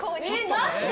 何で？